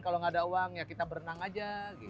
kalau gak ada uang ya kita berenang aja gitu